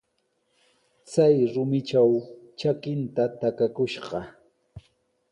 Chay rumitraw trakinta takakushqa.